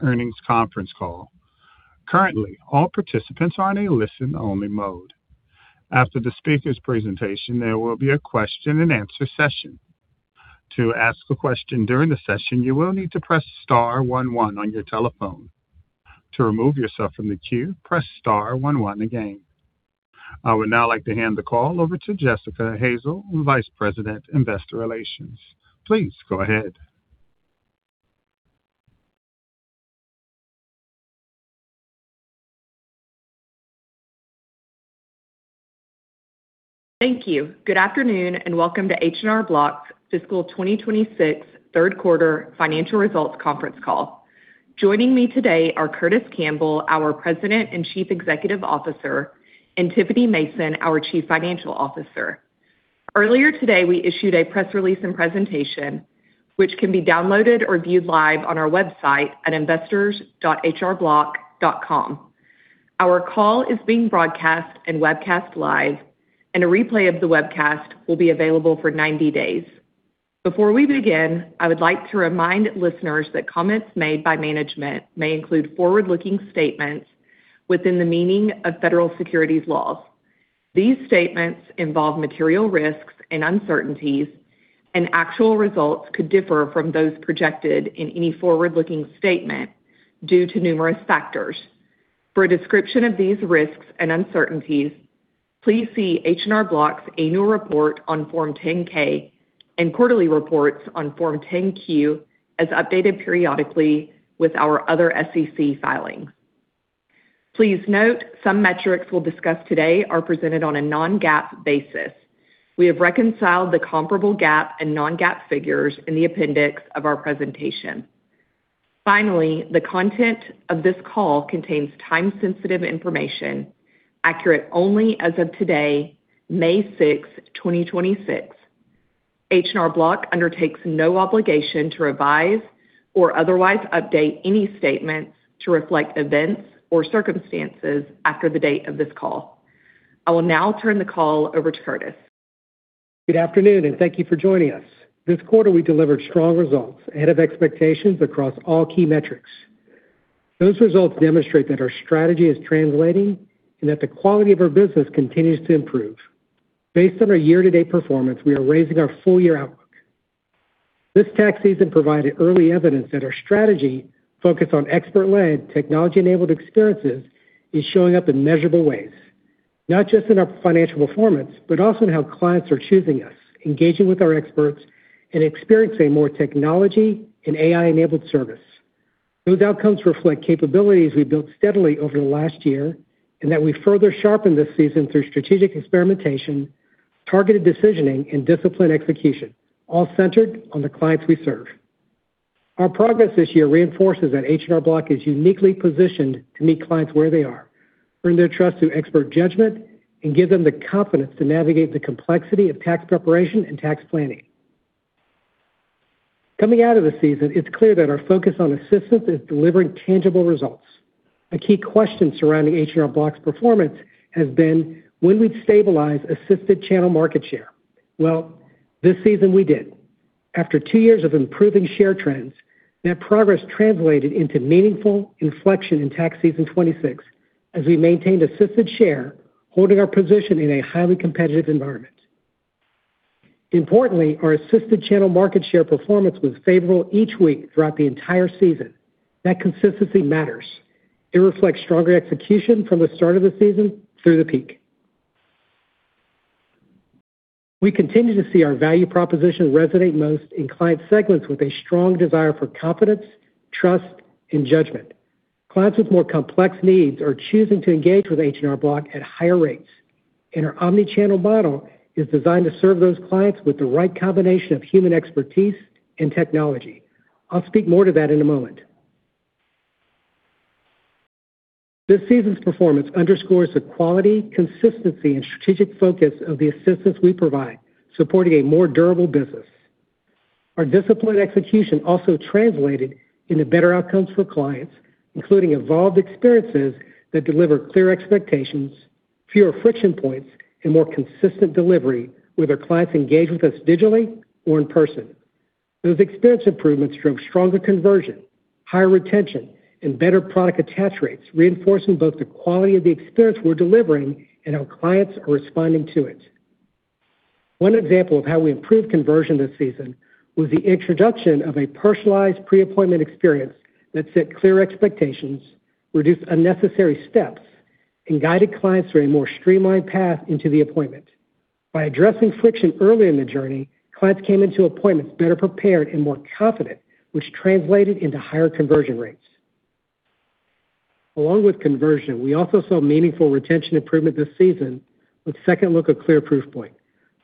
Earnings Conference Call. Currently, all participants are in a listen-only mode. After the speaker's presentation, there will be a question-and-answer session. To ask a question during the session, you will need to press star one one on your telephone. To remove yourself from the queue, press star one one again. I would now like to hand the call over to Jessica Hazel, Vice President, Investor Relations. Please go ahead. Thank you. Good afternoon, and welcome to H&R Block's fiscal 2026 third quarter financial results conference call. Joining me today are Curtis Campbell, our President and Chief Executive Officer, and Tiffany Mason, our Chief Financial Officer. Earlier today, we issued a press release and presentation which can be downloaded or viewed live on our website at investors.hrblock.com. Our call is being broadcast and webcast live, and a replay of the webcast will be available for 90 days. Before we begin, I would like to remind listeners that comments made by management may include forward-looking statements within the meaning of federal securities laws. These statements involve material risks and uncertainties, and actual results could differ from those projected in any forward-looking statement due to numerous factors. For a description of these risks and uncertainties, please see H&R Block's annual report on Form 10-K and quarterly reports on Form 10-Q as updated periodically with our other SEC filings. Please note some metrics we'll discuss today are presented on a non-GAAP basis. We have reconciled the comparable GAAP and non-GAAP figures in the appendix of our presentation. Finally, the content of this call contains time-sensitive information, accurate only as of today, 6th May 2026. H&R Block undertakes no obligation to revise or otherwise update any statements to reflect events or circumstances after the date of this call. I will now turn the call over to Curtis. Good afternoon, and thank you for joining us. This quarter, we delivered strong results ahead of expectations across all key metrics. Those results demonstrate that our strategy is translating and that the quality of our business continues to improve. Based on our year-to-date performance, we are raising our full-year outlook. This tax season provided early evidence that our strategy focused on expert-led technology-enabled experiences is showing up in measurable ways, not just in our financial performance, but also in how clients are choosing us, engaging with our experts, and experiencing more technology and AI-enabled service. Those outcomes reflect capabilities we built steadily over the last year and that we further sharpened this season through strategic experimentation, targeted decisioning, and disciplined execution, all centered on the clients we serve. Our progress this year reinforces that H&R Block is uniquely positioned to meet clients where they are, earn their trust through expert judgment, and give them the confidence to navigate the complexity of tax preparation and tax planning. Coming out of the season, it's clear that our focus on assistance is delivering tangible results. A key question surrounding H&R Block's performance has been when we'd stabilize assisted channel market share. Well, this season we did. After two years of improving share trends, that progress translated into meaningful inflection in tax season 2026 as we maintained assisted share, holding our position in a highly competitive environment. Importantly, our assisted channel market share performance was favorable each week throughout the entire season. That consistency matters. It reflects stronger execution from the start of the season through the peak. We continue to see our value proposition resonate most in client segments with a strong desire for confidence, trust, and judgment. Clients with more complex needs are choosing to engage with H&R Block at higher rates, and our omnichannel model is designed to serve those clients with the right combination of human expertise and technology. I'll speak more to that in a moment. This season's performance underscores the quality, consistency, and strategic focus of the assistance we provide, supporting a more durable business. Our disciplined execution also translated into better outcomes for clients, including evolved experiences that deliver clear expectations, fewer friction points, and more consistent delivery, whether clients engage with us digitally or in person. Those experience improvements drove stronger conversion, higher retention, and better product attach rates, reinforcing both the quality of the experience we're delivering and how clients are responding to it. One example of how we improved conversion this season was the introduction of a personalized pre-appointment experience that set clear expectations, reduced unnecessary steps, and guided clients through a more streamlined path into the appointment. By addressing friction early in the journey, clients came into appointments better prepared and more confident, which translated into higher conversion rates. Along with conversion, we also saw meaningful retention improvement this season with Second Look, a clear proof point.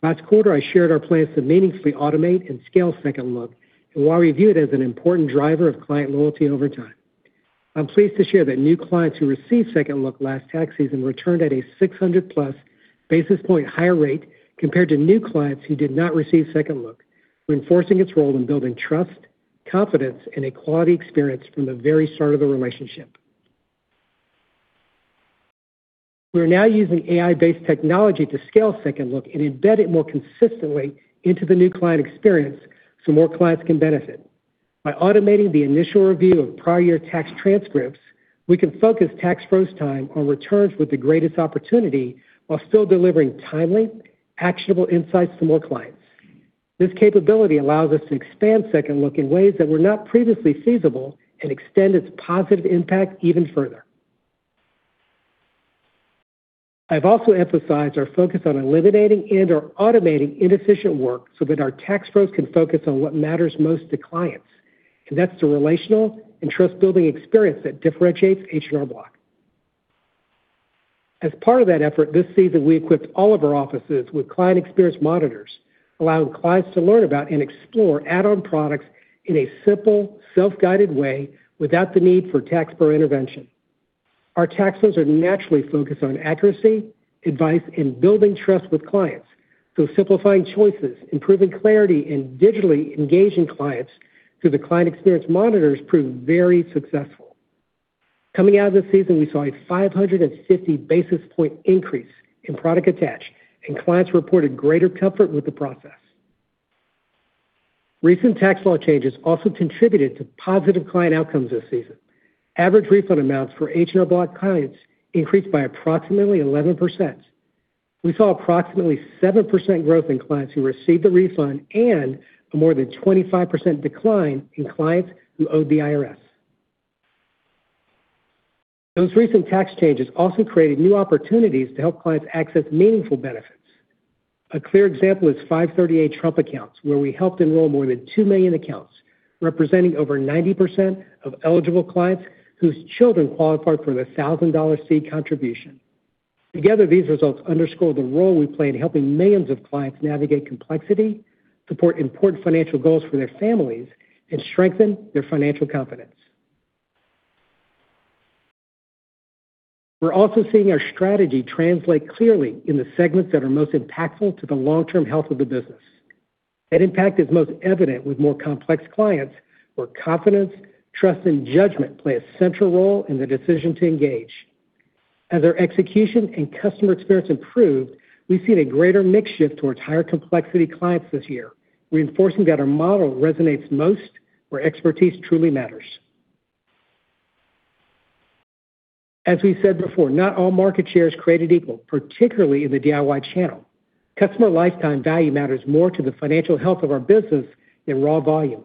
Last quarter, I shared our plans to meaningfully automate and scale Second Look and why we view it as an important driver of client loyalty over time. I'm pleased to share that new clients who received Second Look last tax season returned at a 600 plus basis point higher rate compared to new clients who did not receive Second Look, reinforcing its role in building trust, confidence, and a quality experience from the very start of the relationship. We're now using AI-based technology to scale Second Look and embed it more consistently into the new client experience so more clients can benefit. By automating the initial review of prior tax transcripts, we can focus tax pros time on returns with the greatest opportunity while still delivering timely, actionable insights to more clients. This capability allows us to expand Second Look in ways that were not previously feasible and extend its positive impact even further. I've also emphasized our focus on eliminating and or automating inefficient work so that our tax pros can focus on what matters most to clients. That's the relational and trust-building experience that differentiates H&R Block. As part of that effort, this season, we equipped all of our offices with client experience monitors, allowing clients to learn about and explore add-on products in a simple, self-guided way without the need for tax pro intervention. Our tax pros are naturally focused on accuracy, advice, and building trust with clients. Simplifying choices, improving clarity, and digitally engaging clients through the client experience monitors proved very successful. Coming out of this season, we saw a 550 basis point increase in product attach, and clients reported greater comfort with the process. Recent tax law changes also contributed to positive client outcomes this season. Average refund amounts for H&R Block clients increased by approximately 11%. We saw approximately 7% growth in clients who received a refund and a more than 25% decline in clients who owed the IRS. Those recent tax changes also created new opportunities to help clients access meaningful benefits. A clear example is 529 accounts, where we helped enroll more than 2 million accounts, representing over 90% of eligible clients whose children qualified for the $1,000 seed contribution. Together, these results underscore the role we play in helping millions of clients navigate complexity, support important financial goals for their families, and strengthen their financial confidence. We're also seeing our strategy translate clearly in the segments that are most impactful to the long-term health of the business. That impact is most evident with more complex clients where confidence, trust, and judgment play a central role in the decision to engage. As our execution and customer experience improved, we've seen a greater mix shift towards higher complexity clients this year, reinforcing that our model resonates most where expertise truly matters. As we said before, not all market share is created equal, particularly in the DIY channel. Customer lifetime value matters more to the financial health of our business than raw volume.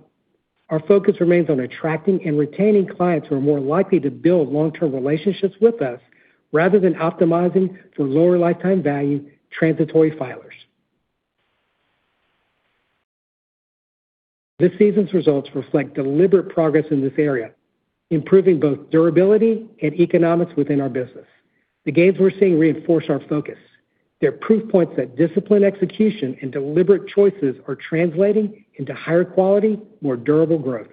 Our focus remains on attracting and retaining clients who are more likely to build long-term relationships with us rather than optimizing for lower lifetime value transitory filers. This season's results reflect deliberate progress in this area, improving both durability and economics within our business. The gains we're seeing reinforce our focus. They're proof points that disciplined execution and deliberate choices are translating into higher quality, more durable growth.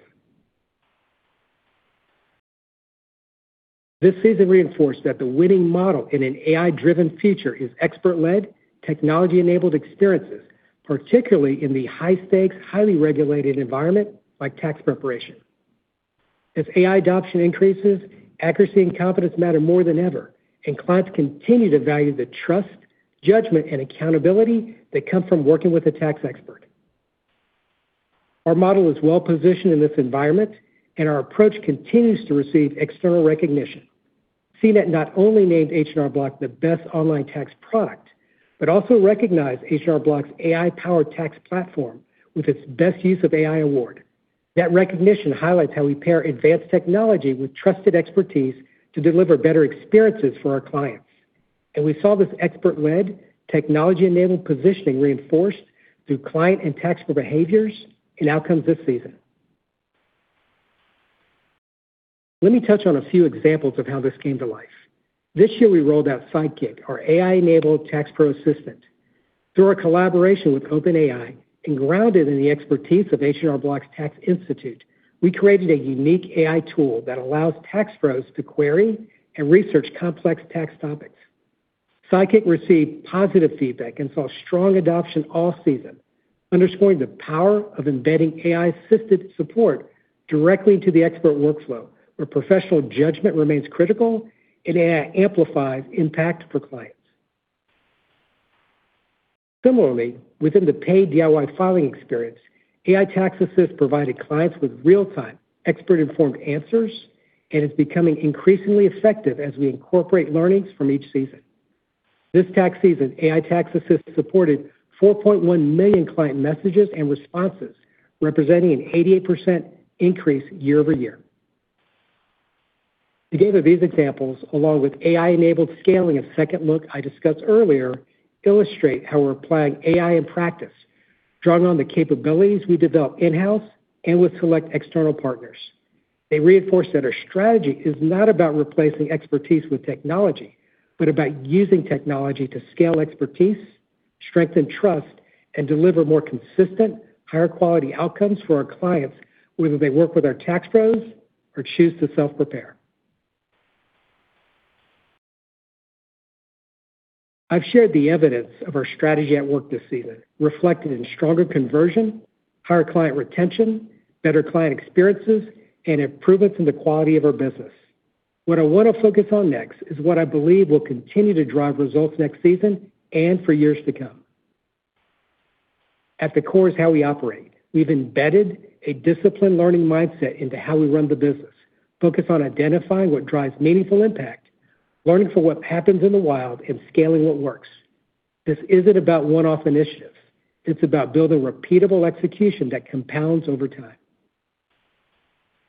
This season reinforced that the winning model in an AI-driven future is expert-led, technology-enabled experiences, particularly in the high-stakes, highly regulated environment like tax preparation. As AI adoption increases, accuracy and confidence matter more than ever, clients continue to value the trust, judgment, and accountability that come from working with a tax expert. Our model is well-positioned in this environment, our approach continues to receive external recognition. CNET not only named H&R Block the best online tax product, but also recognized H&R Block's AI-powered tax platform with its best use of AI Award. That recognition highlights how we pair advanced technology with trusted expertise to deliver better experiences for our clients. We saw this expert-led, technology-enabled positioning reinforced through client and tax pro behaviors and outcomes this season. Let me touch on a few examples of how this came to life. This year, we rolled out Sidekick, our AI-enabled tax pro assistant. Through our collaboration with OpenAI and grounded in the expertise of H&R Block's Tax Institute, we created a unique AI tool that allows tax pros to query and research complex tax topics. Sidekick received positive feedback and saw strong adoption all season, underscoring the power of embedding AI-assisted support directly into the expert workflow, where professional judgment remains critical and AI amplifies impact for clients. Similarly, within the paid DIY filing experience, AI Tax Assist provided clients with real-time, expert-informed answers and is becoming increasingly effective as we incorporate learnings from each season. This tax season, AI Tax Assist supported 4.1 million client messages and responses, representing an 88% increase year-over-year. Together, these examples, along with AI-enabled scaling of Second Look I discussed earlier, illustrate how we're applying AI in practice, drawing on the capabilities we develop in-house and with select external partners. They reinforce that our strategy is not about replacing expertise with technology, but about using technology to scale expertise, strengthen trust, and deliver more consistent, higher quality outcomes for our clients, whether they work with our tax pros or choose to self-prepare. I've shared the evidence of our strategy at work this season, reflected in stronger conversion, higher client retention, better client experiences, and improvements in the quality of our business. What I want to focus on next is what I believe will continue to drive results next season and for years to come. At the core is how we operate. We've embedded a disciplined learning mindset into how we run the business, focused on identifying what drives meaningful impact, learning from what happens in the wild, and scaling what works. This isn't about one-off initiatives. It's about building repeatable execution that compounds over time.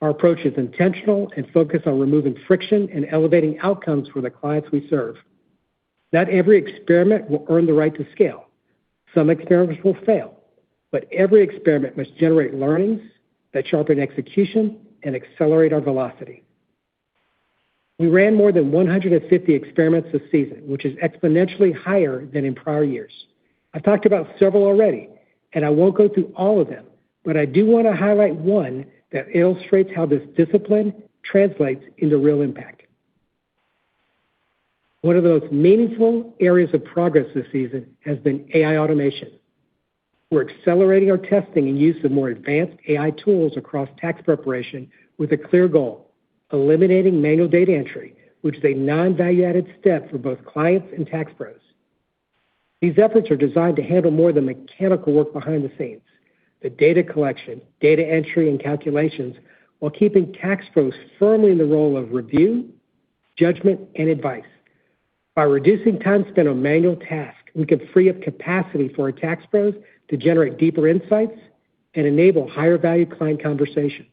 Our approach is intentional and focused on removing friction and elevating outcomes for the clients we serve. Not every experiment will earn the right to scale. Some experiments will fail, but every experiment must generate learnings that sharpen execution and accelerate our velocity. We ran more than 150 experiments this season, which is exponentially higher than in prior years. I've talked about several already, and I won't go through all of them, but I do want to highlight one that illustrates how this discipline translates into real impact. One of the most meaningful areas of progress this season has been AI automation. We're accelerating our testing and use of more advanced AI tools across tax preparation with a clear goal, eliminating manual data entry, which is a non-value-added step for both clients and tax pros. These efforts are designed to handle more of the mechanical work behind the scenes, the data collection, data entry, and calculations, while keeping tax pros firmly in the role of review, judgment, and advice. By reducing time spent on manual tasks, we can free up capacity for our tax pros to generate deeper insights and enable higher-value client conversations.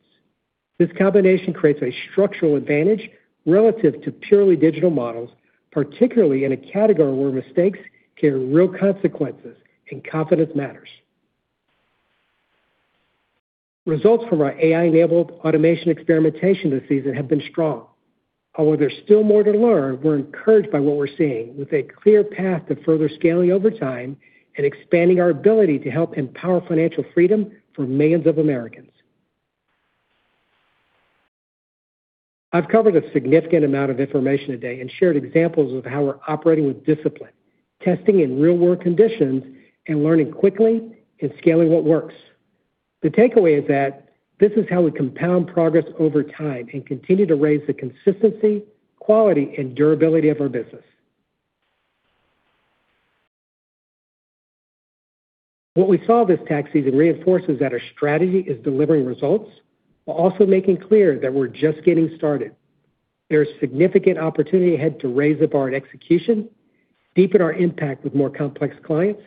This combination creates a structural advantage relative to purely digital models, particularly in a category where mistakes carry real consequences and confidence matters. Results from our AI-enabled automation experimentation this season have been strong. Although there's still more to learn, we're encouraged by what we're seeing with a clear path to further scaling over time and expanding our ability to help empower financial freedom for millions of Americans. I've covered a significant amount of information today and shared examples of how we're operating with discipline, testing in real-world conditions, and learning quickly and scaling what works. The takeaway is that this is how we compound progress over time and continue to raise the consistency, quality, and durability of our business. What we saw this tax season reinforces that our strategy is delivering results while also making clear that we're just getting started. There's significant opportunity ahead to raise the bar in execution, deepen our impact with more complex clients,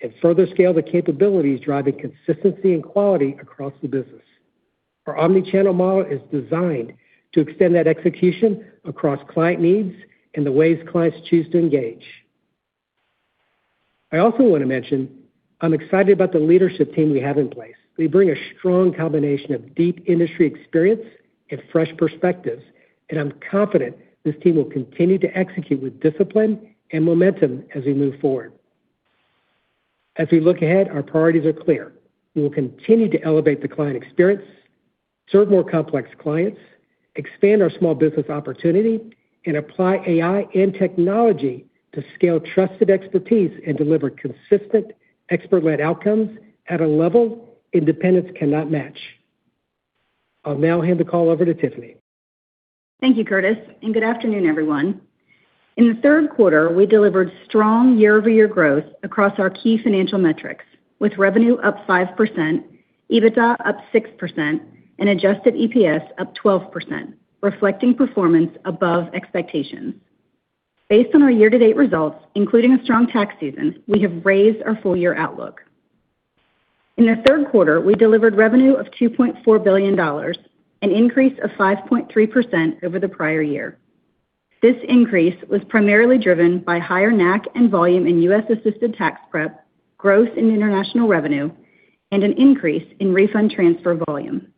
and further scale the capabilities driving consistency and quality across the business. Our omni-channel model is designed to extend that execution across client needs and the ways clients choose to engage. I also want to mention I'm excited about the leadership team we have in place. They bring a strong combination of deep industry experience and fresh perspectives, and I'm confident this team will continue to execute with discipline and momentum as we move forward. As we look ahead, our priorities are clear. We will continue to elevate the client experience, serve more complex clients, expand our small business opportunity, and apply AI and technology to scale trusted expertise and deliver consistent expert-led outcomes at a level independents cannot match. I'll now hand the call over to Tiffany. Thank you, Curtis, and good afternoon, everyone. In the third quarter, we delivered strong year-over-year growth across our key financial metrics, with revenue up 5%, EBITDA up 6%, and adjusted EPS up 12%, reflecting performance above expectations. Based on our year-to-date results, including a strong tax season, we have raised our full-year outlook. In the third quarter, we delivered revenue of $2.4 billion, an increase of 5.3% over the prior year. This increase was primarily driven by higher NAC and volume in U.S. assisted tax prep, growth in international revenue, and an increase in refund transfer volume.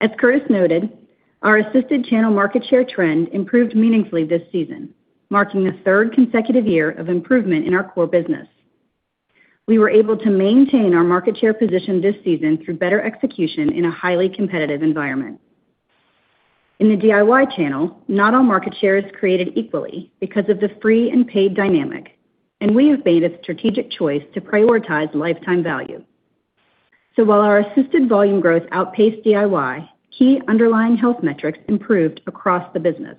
As Curtis noted, our assisted channel market share trend improved meaningfully this season, marking the third consecutive year of improvement in our core business. We were able to maintain our market share position this season through better execution in a highly competitive environment. In the DIY channel, not all market share is created equally because of the free and paid dynamic, and we have made a strategic choice to prioritize lifetime value. While our assisted volume growth outpaced DIY, key underlying health metrics improved across the business.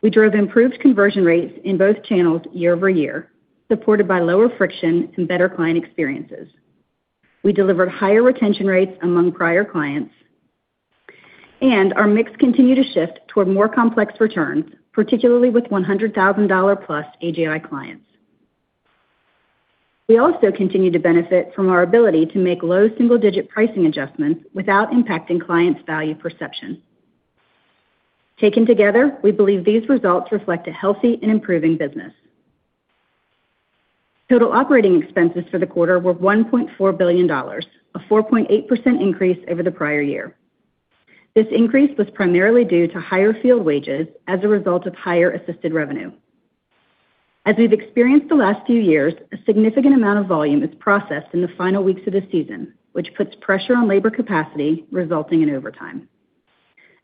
We drove improved conversion rates in both channels year-over-year, supported by lower friction and better client experiences. We delivered higher retention rates among prior clients, and our mix continued to shift toward more complex returns, particularly with $100,000 plus AGI clients. We also continue to benefit from our ability to make low single-digit pricing adjustments without impacting clients' value perception. Taken together, we believe these results reflect a healthy and improving business. Total operating expenses for the quarter were $1.4 billion, a 4.8% increase over the prior year. This increase was primarily due to higher field wages as a result of higher assisted revenue. As we've experienced the last few years, a significant amount of volume is processed in the final weeks of the season, which puts pressure on labor capacity, resulting in overtime.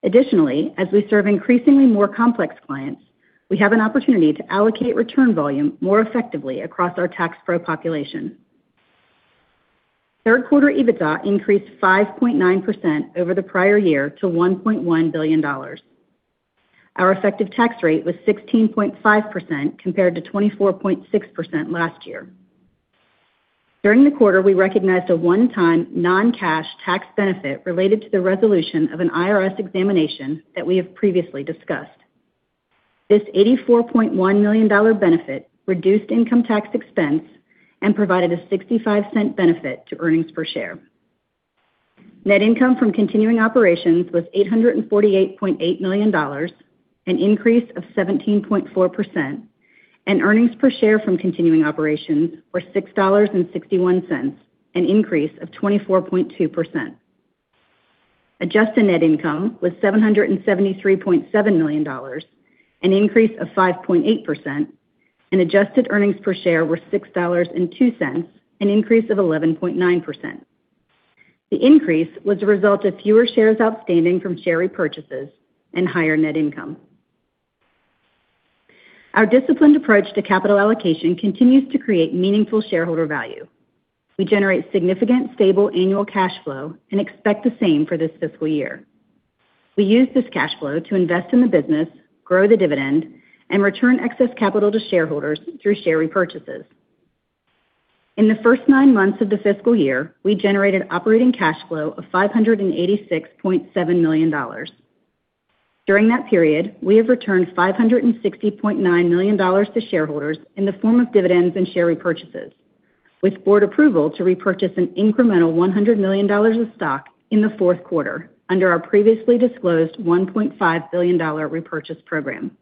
Additionally, as we serve increasingly more complex clients, we have an opportunity to allocate return volume more effectively across our tax pro population. Third quarter EBITDA increased 5.9% over the prior year to $1.1 billion. Our effective tax rate was 16.5% compared to 24.6% last year. During the quarter, we recognized a one-time non-cash tax benefit related to the resolution of an IRS examination that we have previously discussed. This $84.1 million benefit reduced income tax expense and provided a $0.65 benefit to earnings per share. Net income from continuing operations was $848.8 million, an increase of 17.4%, and earnings per share from continuing operations were $6.61, an increase of 24.2%. Adjusted net income was $773.7 million, an increase of 5.8%, and adjusted earnings per share were $6.02, an increase of 11.9%. The increase was a result of fewer shares outstanding from share repurchases and higher net income. Our disciplined approach to capital allocation continues to create meaningful shareholder value. We generate significant stable annual cash flow and expect the same for this fiscal year. We use this cash flow to invest in the business, grow the dividend, and return excess capital to shareholders through share repurchases. In the nine months of the fiscal year, we generated operating cash flow of $586.7 million. During that period, we have returned $560.9 million to shareholders in the form of dividends and share repurchases, with board approval to repurchase an incremental $100 million of stock in the fourth quarter under our previously disclosed $1.5 billion repurchase program.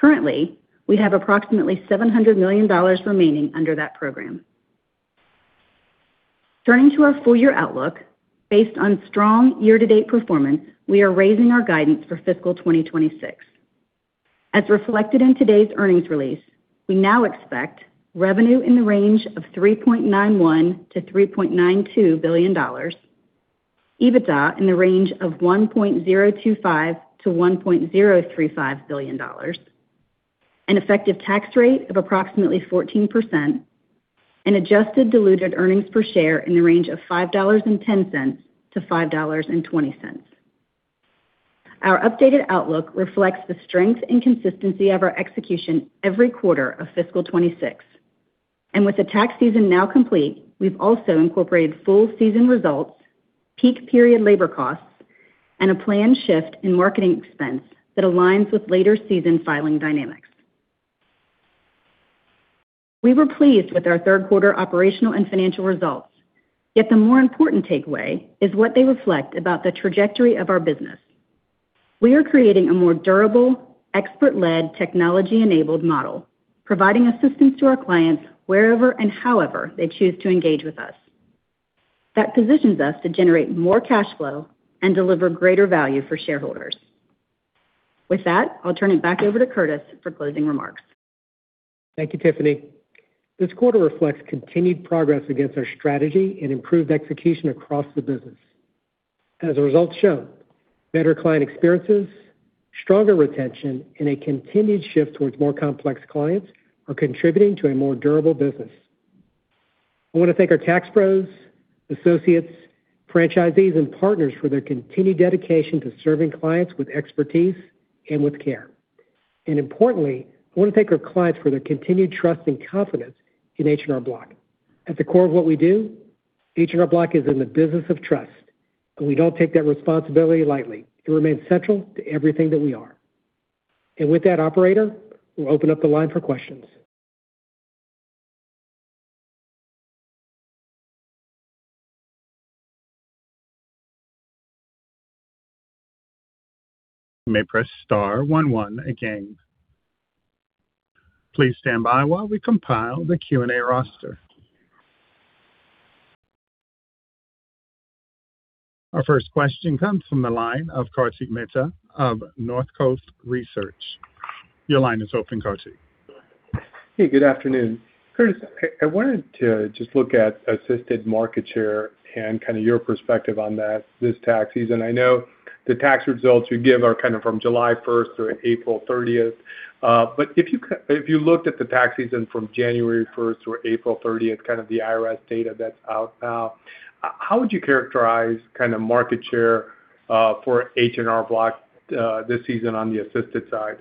Currently, we have approximately $700 million remaining under that program. Turning to our full-year outlook, based on strong year-to-date performance, we are raising our guidance for fiscal 2026. As reflected in today's earnings release, we now expect revenue in the range of $3.91 billion-$3.92 billion, EBITDA in the range of $1.025 billion-$1.035 billion, an effective tax rate of approximately 14%, and adjusted diluted earnings per share in the range of $5.10-$5.20. Our updated outlook reflects the strength and consistency of our execution every quarter of fiscal 2026. With the tax season now complete, we've also incorporated full season results, peak period labor costs, and a planned shift in marketing expense that aligns with later season filing dynamics. We were pleased with our third quarter operational and financial results. Yet the more important takeaway is what they reflect about the trajectory of our business. We are creating a more durable, expert-led, technology-enabled model, providing assistance to our clients wherever and however they choose to engage with us. That positions us to generate more cash flow and deliver greater value for shareholders. With that, I'll turn it back over to Curtis for closing remarks. Thank you, Tiffany. This quarter reflects continued progress against our strategy and improved execution across the business. As the results show, better client experiences, stronger retention, and a continued shift towards more complex clients are contributing to a more durable business. I wanna thank our tax pros, associates, franchisees, and partners for their continued dedication to serving clients with expertise and with care. Importantly, I wanna thank our clients for their continued trust and confidence in H&R Block. At the core of what we do, H&R Block is in the business of trust, and we don't take that responsibility lightly. It remains central to everything that we are. With that, operator, we'll open up the line for questions. Our first question comes from the line of Kartik Mehta of Northcoast Research. Your line is open, Kartik. Hey, good afternoon. Curtis, I wanted to just look at assisted market share and kind of your perspective on that this tax season. I know the tax results you give are kind of from July 1st through April 30th. But if you looked at the tax season from January 1st through April 30th, kind of the IRS data that's out now, how would you characterize kind of market share for H&R Block this season on the assisted side?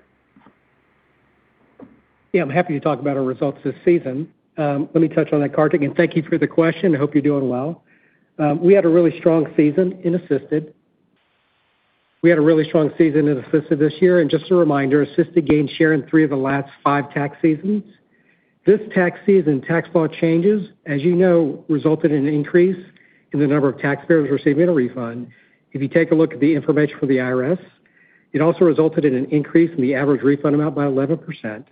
Yeah, I'm happy to talk about our results this season. Let me touch on that, Kartik, and thank you for the question. I hope you're doing well. We had a really strong season in assisted. We had a really strong season in assisted this year, and just a reminder, assisted gained share in three of the last five tax seasons. This tax season, tax law changes, as you know, resulted in an increase in the number of taxpayers receiving a refund. If you take a look at the information from the IRS, it also resulted in an increase in the average refund amount by 11%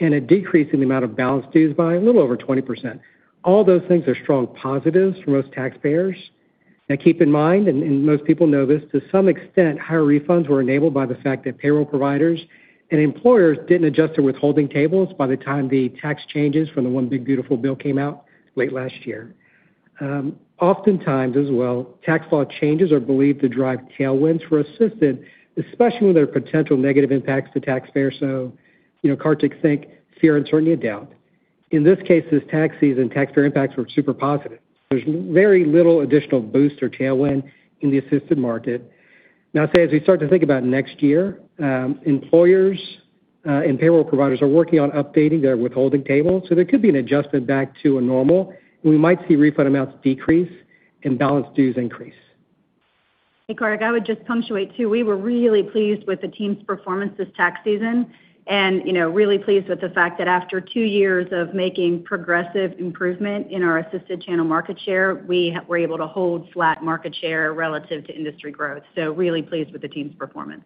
and a decrease in the amount of balance dues by a little over 20%. All those things are strong positives for most taxpayers. Keep in mind, and most people know this, to some extent, higher refunds were enabled by the fact that payroll providers and employers didn't adjust their withholding tables by the time the tax changes from the One Big Beautiful Bill came out late last year. Oftentimes as well, tax law changes are believed to drive tailwinds for assisted, especially when there are potential negative impacts to taxpayers. You know, Kartik, think fear, uncertainty, and doubt. In this case, this tax season, taxpayer impacts were super positive. There's very little additional boost or tailwind in the assisted market. I'd say as we start to think about next year, employers and payroll providers are working on updating their withholding table, so there could be an adjustment back to a normal. We might see refund amounts decrease and balance dues increase. Hey, Kartik, I would just punctuate too. We were really pleased with the team's performance this tax season and, you know, really pleased with the fact that after two years of making progressive improvement in our assisted channel market share, we were able to hold flat market share relative to industry growth. Really pleased with the team's performance.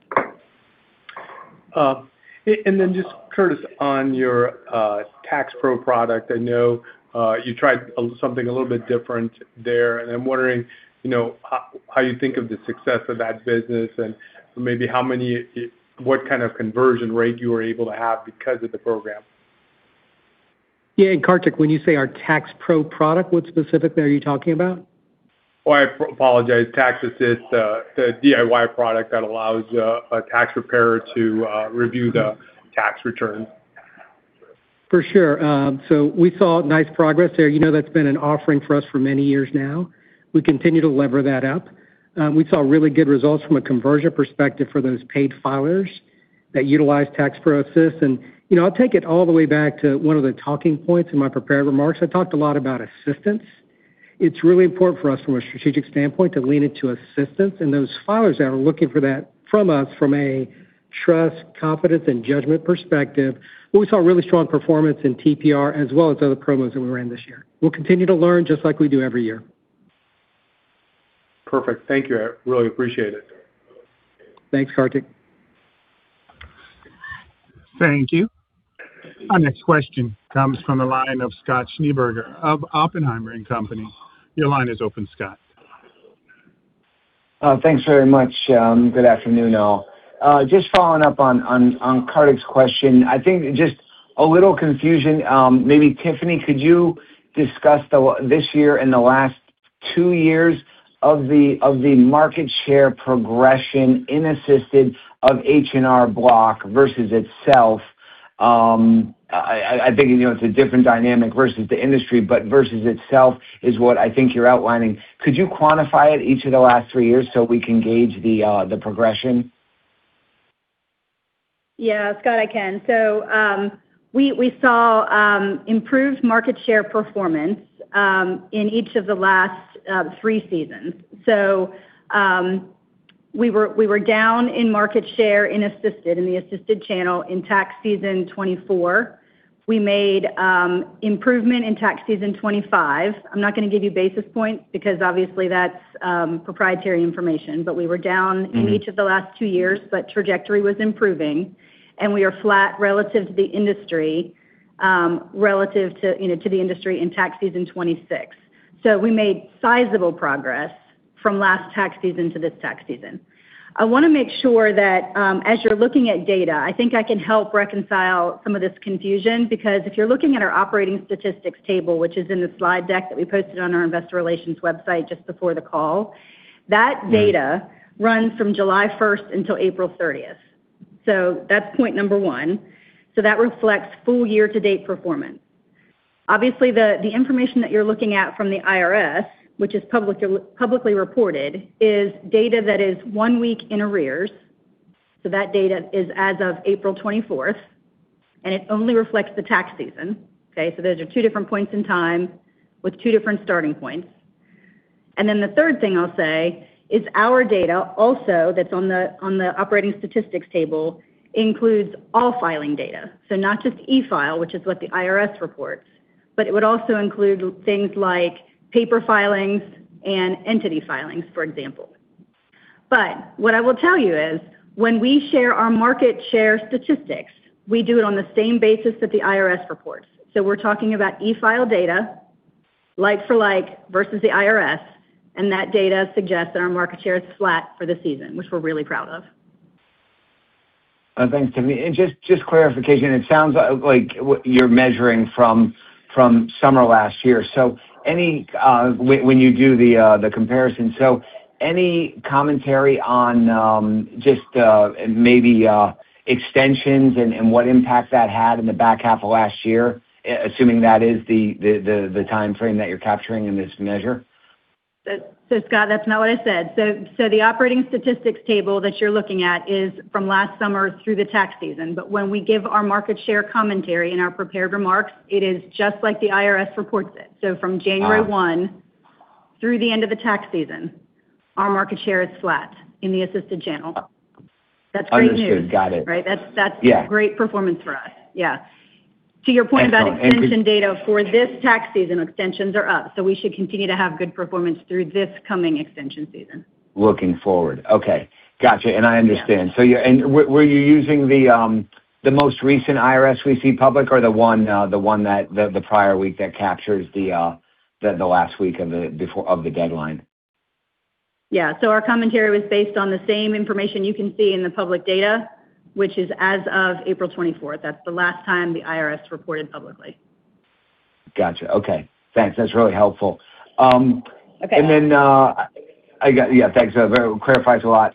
Just, Curtis, on your Tax Pro product, I know you tried something a little bit different there, and I'm wondering, you know, how you think of the success of that business and maybe what kind of conversion rate you were able to have because of the program. Yeah, Kartik, when you say our Tax Pro product, what specifically are you talking about? Oh, I apologize, Tax Assist, the DIY product that allows a tax preparer to review the tax returns. For sure. We saw nice progress there. You know that's been an offering for us for many years now. We continue to lever that up. We saw really good results from a conversion perspective for those paid filers that utilize Tax Pro Review. You know, I'll take it all the way back to one of the talking points in my prepared remarks. I talked a lot about assistance. It's really important for us from a strategic standpoint to lean into assistance and those filers that are looking for that from us from a trust, confidence, and judgment perspective. We saw really strong performance in TPR as well as other promos that we ran this year. We'll continue to learn just like we do every year. Perfect. Thank you. I really appreciate it. Thanks, Kartik. Thank you. Our next question comes from the line of Scott Schneeberger of Oppenheimer & Company. Your line is open, Scott. Thanks very much. Good afternoon, all. Just following up on Kartik's question. I think just a little confusion. Maybe Tiffany, could you discuss this year and the last two years of the market share progression in Assisted of H&R Block versus itself? I think, you know, it's a different dynamic versus the industry, but versus itself is what I think you're outlining. Could you quantify it each of the last three years so we can gauge the progression? Yeah, Scott, I can. We saw improved market share performance in each of the last three seasons. We were down in market share in Assisted, in the Assisted channel in tax season 2024. We made improvement in tax season 2025. I'm not gonna give you basis points because obviously that's proprietary information. in each of the last two years, but trajectory was improving, and we are flat relative to the industry, relative to, you know, to the industry in tax season 2026. We made sizable progress from last tax season to this tax season. I wanna make sure that, as you're looking at data, I think I can help reconcile some of this confusion because if you're looking at our operating statistics table, which is in the slide deck that we posted on our investor relations website just before the call, that data- runs from July first until April thirtieth. That's point number one. That reflects full year to date performance. Obviously, the information that you're looking at from the IRS, which is publicly reported, is data that is one week in arrears, so that data is as of April twenty-fourth, and it only reflects the tax season, okay. Those are two different points in time with two different starting points. The third thing I'll say is our data also that's on the operating statistics table includes all filing data. Not just e-file, which is what the IRS reports, but it would also include things like paper filings and entity filings, for example. What I will tell you is when we share our market share statistics, we do it on the same basis that the IRS reports. We're talking about e-file data, like for like, versus the IRS, and that data suggests that our market share is flat for the season, which we're really proud of. Thanks, Tiffany. Just clarification, it sounds like what you're measuring from summer last year. Any, when you do the comparison, any commentary on just maybe extensions and what impact that had in the back half of last year, assuming that is the timeframe that you're capturing in this measure? Scott, that's not what I said. The operating statistics table that you're looking at is from last summer through the tax season. When we give our market share commentary in our prepared remarks, it is just like the IRS reports it. From January one through the end of the tax season, our market share is flat in the Assisted channel. Oh. That's great news. Understood. Got it. Right? That's. Yeah great performance for us. Yeah. To your point about extension data, for this tax season, extensions are up, so we should continue to have good performance through this coming extension season. Looking forward. Okay. Gotcha. Yeah. I understand. Were you using the most recent IRS we see public or the one that the prior week that captures the last week of the deadline? Yeah. Our commentary was based on the same information you can see in the public data, which is as of April 24th. That's the last time the IRS reported publicly. Gotcha. Okay. Thanks. That's really helpful. Okay. I got. Yeah, thanks. That clarifies a lot.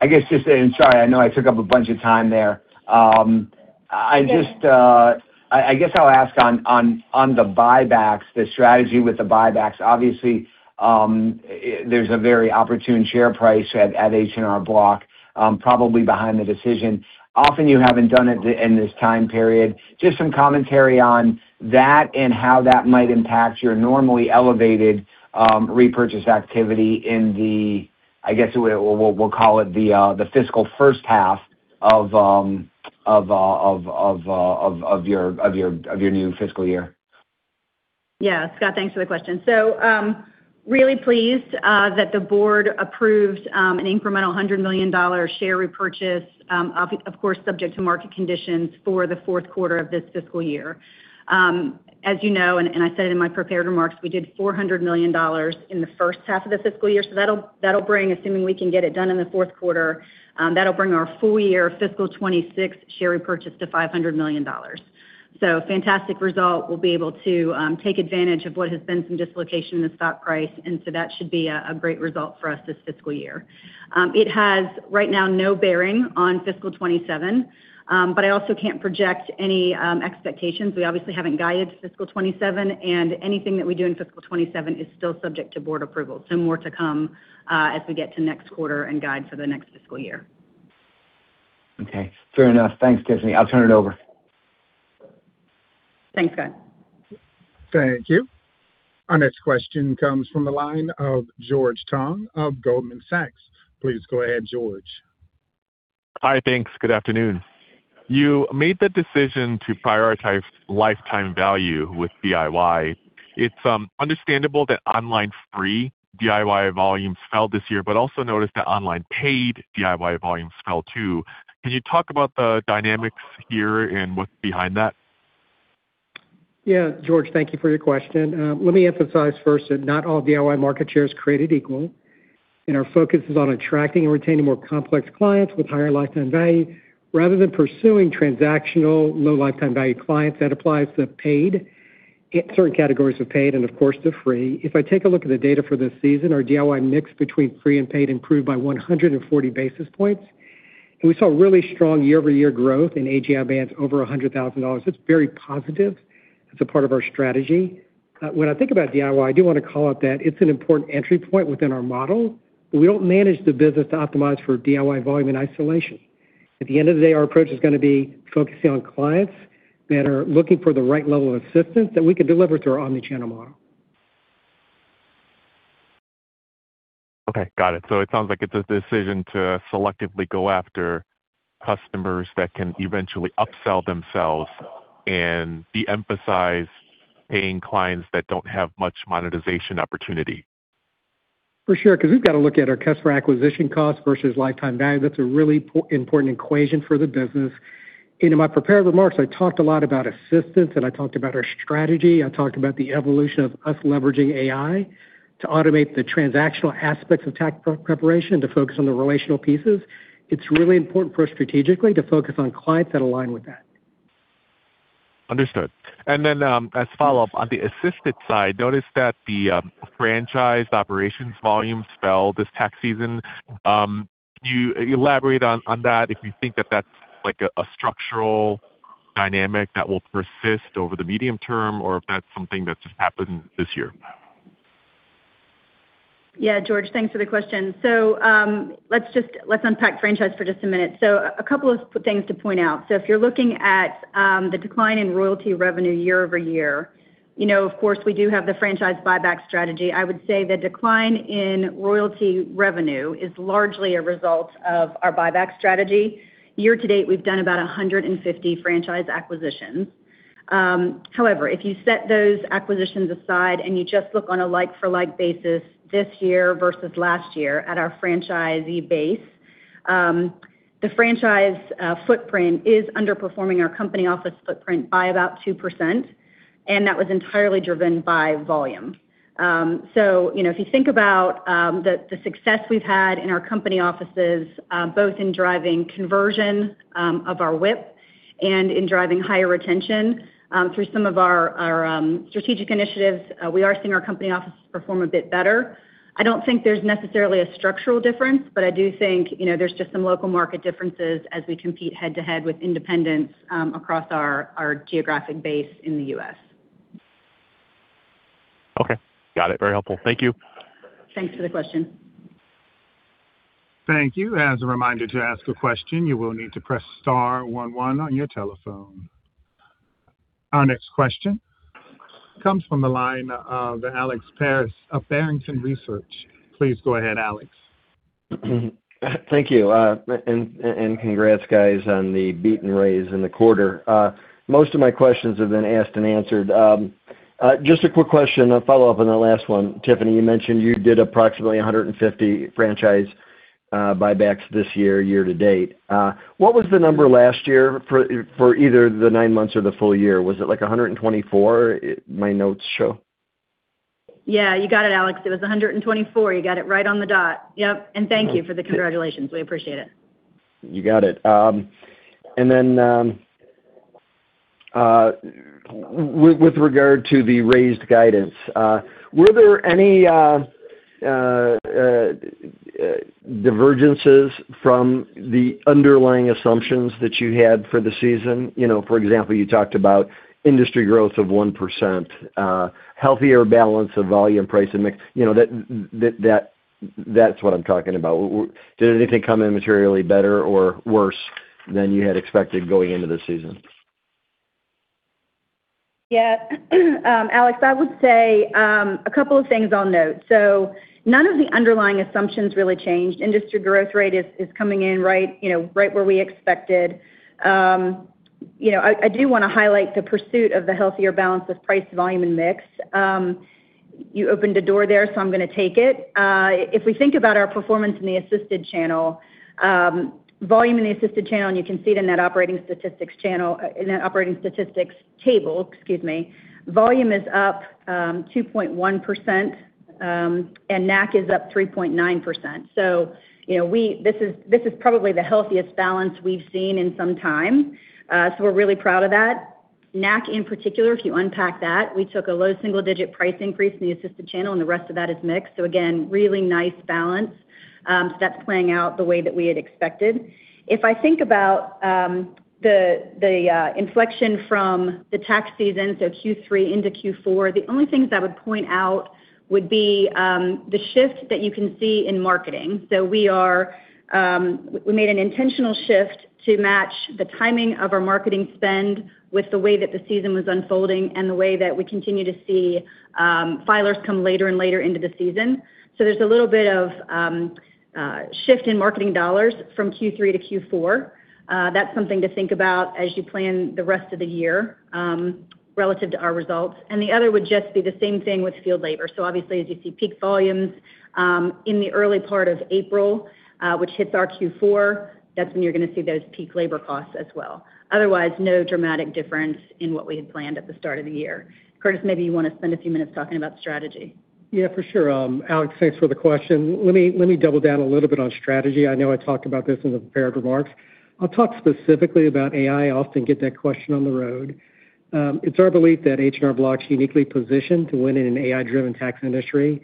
I guess, and sorry, I know I took up a bunch of time there. I just, I guess I'll ask on the buybacks, the strategy with the buybacks. Obviously, there's a very opportune share price at H&R Block, probably behind the decision. Often you haven't done it in this time period. Just some commentary on that and how that might impact your normally elevated repurchase activity in the, I guess we'll call it the fiscal first half of your new fiscal year. Yeah. Scott, thanks for the question. Really pleased that the board approved an incremental $100 million share repurchase, of course, subject to market conditions for the fourth quarter of this fiscal year. As you know, and I said in my prepared remarks, we did $400 million in the first half of the fiscal year, that'll bring, assuming we can get it done in the fourth quarter, that'll bring our full year fiscal 2026 share repurchase to $500 million. Fantastic result. We'll be able to take advantage of what has been some dislocation in the stock price, that should be a great result for us this fiscal year. It has right now no bearing on fiscal 2027, but I also can't project any expectations. We obviously haven't guided fiscal 2027, and anything that we do in fiscal 2027 is still subject to board approval. More to come as we get to next quarter and guide for the next fiscal year. Okay, fair enough. Thanks, Tiffany. I'll turn it over. Thanks, Scott. Thank you. Our next question comes from the line of George Tong of Goldman Sachs. Please go ahead, George. Hi. Thanks. Good afternoon. You made the decision to prioritize lifetime value with DIY. It's understandable that online free DIY volumes fell this year, but also noticed that online paid DIY volumes fell too. Can you talk about the dynamics here and what's behind that? Yeah. George, thank you for your question. Let me emphasize first that not all DIY market share is created equal, and our focus is on attracting and retaining more complex clients with higher lifetime value rather than pursuing transactional low lifetime value clients. That applies to paid, certain categories of paid, and of course, the free. If I take a look at the data for this season, our DIY mix between free and paid improved by 140 basis points. We saw really strong year-over-year growth in AGI bands over $100,000. It's very positive. It's a part of our strategy. When I think about DIY, I do wanna call out that it's an important entry point within our model. We don't manage the business to optimize for DIY volume in isolation. At the end of the day, our approach is gonna be focusing on clients that are looking for the right level of assistance that we can deliver through our omni-channel model. Okay. Got it. It sounds like it's a decision to selectively go after customers that can eventually upsell themselves and de-emphasize paying clients that don't have much monetization opportunity. For sure, 'cause we've got to look at our customer acquisition cost versus lifetime value. That's a really important equation for the business. In my prepared remarks, I talked a lot about assistance, and I talked about our strategy. I talked about the evolution of us leveraging AI to automate the transactional aspects of tax preparation to focus on the relational pieces. It's really important for us strategically to focus on clients that align with that. Understood. As a follow-up, on the assisted side, noticed that the franchise operations volume fell this tax season. Can you elaborate on that if you think that that's like a structural dynamic that will persist over the medium term or if that's something that just happened this year? Yeah. George, thanks for the question. Let's unpack franchise for just a minute. A couple of things to point out. If you're looking at the decline in royalty revenue year-over-year, you know, of course, we do have the franchise buyback strategy. I would say the decline in royalty revenue is largely a result of our buyback strategy. Year to date, we've done about 150 franchise acquisitions. However, if you set those acquisitions aside and you just look on a like-for-like basis this year versus last year at our franchisee base, the franchise footprint is underperforming our company office footprint by about 2%, and that was entirely driven by volume. You know, if you think about the success we've had in our company offices, both in driving conversion of our WIP and in driving higher retention through some of our strategic initiatives, we are seeing our company offices perform a bit better. I don't think there's necessarily a structural difference, but I do think, you know, there's just some local market differences as we compete head-to-head with independents across our geographic base in the U.S. Okay. Got it. Very helpful. Thank you. Thanks for the question. Thank you. As a reminder, to ask a question, you will need to press star one one on your telephone. Our next question comes from the line of Alexander Paris, Jr. of Barrington Research. Please go ahead, Alexander. Thank you. Congrats guys on the beat and raise in the quarter. Most of my questions have been asked and answered. Just a quick question, a follow-up on the last one. Tiffany, you mentioned you did approximately 150 franchise buybacks this year to date. What was the number last year for either the nine months or the full year? Was it like 124, my notes show? Yeah, you got it, Alex. It was 124. You got it right on the dot. Yep. Thank you for the congratulations. We appreciate it. You got it. Then, with regard to the raised guidance, were there any divergences from the underlying assumptions that you had for the season? You know, for example, you talked about industry growth of 1%, healthier balance of volume price and mix. You know, that's what I'm talking about. Did anything come in materially better or worse than you had expected going into the season? Alex, I would say a couple of things I'll note. None of the underlying assumptions really changed. Industry growth rate is coming in right, you know, right where we expected. You know, I do wanna highlight the pursuit of the healthier balance of price, volume, and mix. You opened a door there, I'm gonna take it. If we think about our performance in the assisted channel, volume in the assisted channel, and you can see it in that operating statistics channel, in that operating statistics table, excuse me. Volume is up 2.1%, and NAC is up 3.9%. You know, this is probably the healthiest balance we've seen in some time. We're really proud of that. NAC in particular, if you unpack that, we took a low single-digit price increase in the assisted channel, and the rest of that is mix. Again, really nice balance that's playing out the way that we had expected. If I think about the inflection from the tax season, Q3 into Q4, the only things I would point out would be the shift that you can see in marketing. We made an intentional shift to match the timing of our marketing spend with the way that the season was unfolding and the way that we continue to see filers come later and later into the season. There's a little bit of shift in marketing dollars from Q3 to Q4. That's something to think about as you plan the rest of the year, relative to our results. The other would just be the same thing with field labor. Obviously, as you see peak volumes, in the early part of April, which hits our Q4, that's when you're gonna see those peak labor costs as well. Otherwise, no dramatic difference in what we had planned at the start of the year. Curtis, maybe you wanna spend a few minutes talking about strategy. Yeah, for sure. Alex, thanks for the question. Let me double down a little bit on strategy. I know I talked about this in the prepared remarks. I'll talk specifically about AI. I often get that question on the road. It's our belief that H&R Block's uniquely positioned to win in an AI-driven tax industry.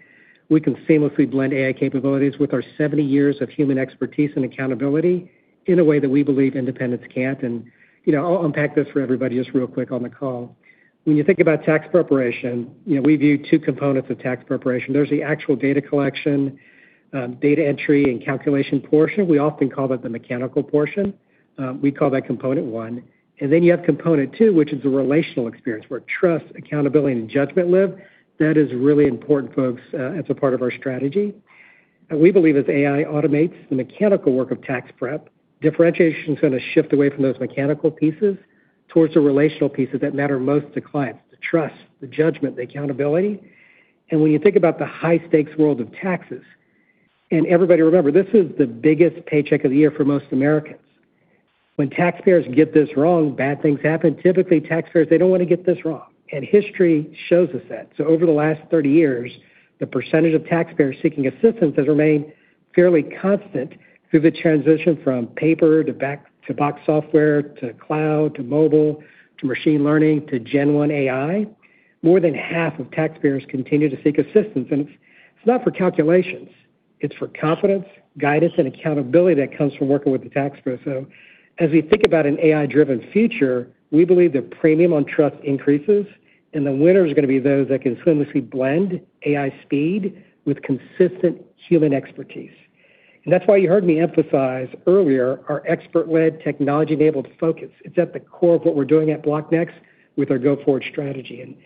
We can seamlessly blend AI capabilities with our 70 years of human expertise and accountability in a way that we believe independents can't. You know, I'll unpack this for everybody just real quick on the call. When you think about tax preparation, you know, we view two components of tax preparation. There's the actual data collection, data entry, and calculation portion. We often call that the mechanical portion. We call that component one. Then you have component two, which is the relational experience, where trust, accountability, and judgment live. That is really important, folks, as a part of our strategy. We believe as AI automates the mechanical work of tax prep, differentiation's gonna shift away from those mechanical pieces towards the relational pieces that matter most to clients, the trust, the judgment, the accountability. When you think about the high stakes world of taxes, and everybody remember, this is the biggest paycheck of the year for most Americans. When taxpayers get this wrong, bad things happen. Typically, taxpayers, they don't wanna get this wrong, and history shows us that. Over the last 30 years, the percentage of taxpayers seeking assistance has remained fairly constant through the transition from paper to box software, to cloud, to mobile, to machine learning, to Gen 1 AI. More than half of taxpayers continue to seek assistance, it's not for calculations. It's for confidence, guidance, and accountability that comes from working with the tax pro. As we think about an AI-driven future, we believe the premium on trust increases, and the winner is gonna be those that can seamlessly blend AI speed with consistent human expertise. That's why you heard me emphasize earlier our expert-led technology-enabled focus. It's at the core of what we're doing at Block Horizons with our go-forward strategy.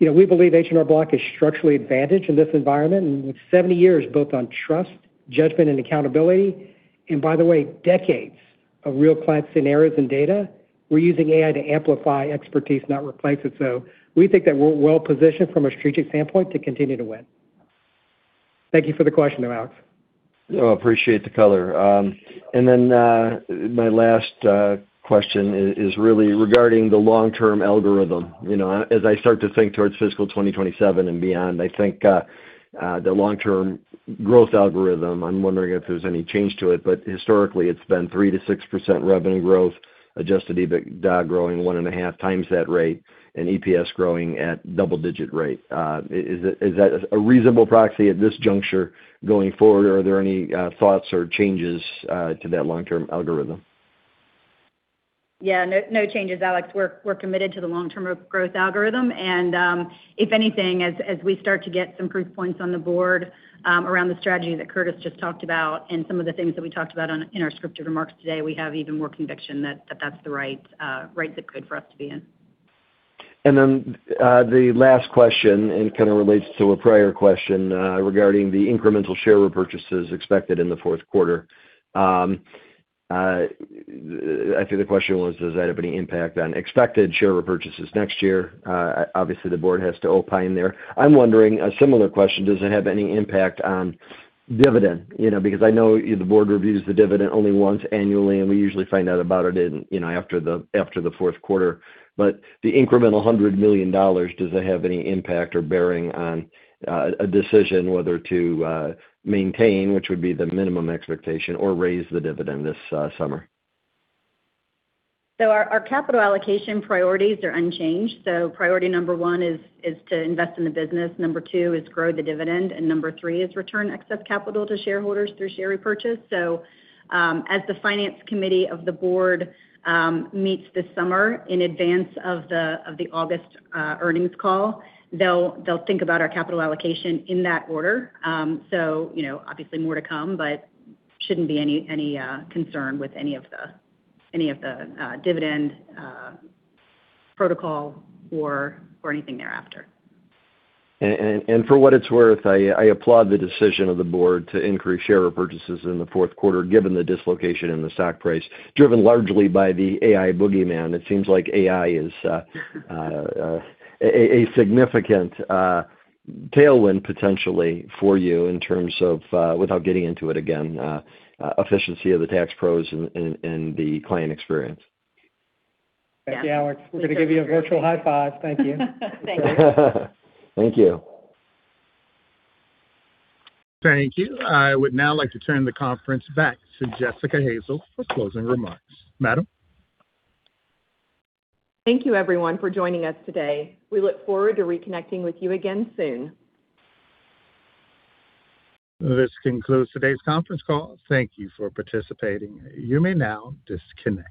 You know, we believe H&R Block is structurally advantaged in this environment, and with 70 years built on trust, judgment, and accountability, and by the way, decades of real client scenarios and data, we're using AI to amplify expertise, not replace it. We think that we're well-positioned from a strategic standpoint to continue to win. Thank you for the question, though, Alex. No, appreciate the color. Then, my last question is really regarding the long-term algorithm. You know, as I start to think towards fiscal 2027 and beyond, I think, the long-term growth algorithm, I'm wondering if there's any change to it. Historically, it's been 3%-6% revenue growth, adjusted EBITDA growing 1.5x that rate, and EPS growing at double-digit rate. Is that a reasonable proxy at this juncture going forward, or are there any thoughts or changes to that long-term algorithm? Yeah, no changes, Alex. We're committed to the long-term growth algorithm. If anything, as we start to get some proof points on the board, around the strategy that Curtis just talked about and some of the things that we talked about in our scripted remarks today, we have even more conviction that that's the right right to good for us to be in. The last question, and it kinda relates to a prior question, regarding the incremental share repurchases expected in the fourth quarter. I think the question was, does that have any impact on expected share repurchases next year? Obviously the board has to opine there. I'm wondering a similar question, does it have any impact on dividend? You know, because I know the board reviews the dividend only once annually, and we usually find out about it in, you know, after the fourth quarter. The incremental $100 million, does it have any impact or bearing on a decision whether to maintain, which would be the minimum expectation, or raise the dividend this summer? Our capital allocation priorities are unchanged. Priority number one is to invest in the business. Number two is grow the dividend, and number three is return excess capital to shareholders through share repurchase. As the finance committee of the board meets this summer in advance of the August earnings call, they'll think about our capital allocation in that order. You know, obviously more to come, but shouldn't be any concern with any of the dividend protocol or anything thereafter. For what it's worth, I applaud the decision of the board to increase share repurchases in the fourth quarter, given the dislocation in the stock price, driven largely by the AI boogeyman. It seems like AI is a significant tailwind potentially for you in terms of without getting into it again, efficiency of the tax pros and the client experience. Yeah. Thank you, Alex. We're gonna give you a virtual high five. Thank you. Thanks. Thank you. Thank you. I would now like to turn the conference back to Jessica Hazel for closing remarks. Madam? Thank you everyone for joining us today. We look forward to reconnecting with you again soon. This concludes today's Conference Call. Thank you for participating. You may now disconnect.